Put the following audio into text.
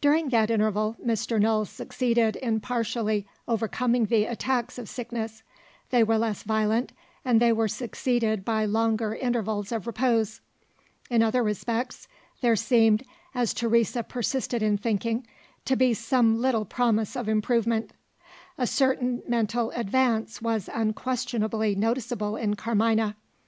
During that interval, Mr. Null succeeded in partially overcoming the attacks of sickness: they were less violent, and they were succeeded by longer intervals of repose. In other respects, there seemed (as Teresa persisted in thinking) to be some little promise of improvement. A certain mental advance was unquestionably noticeable in Carmina.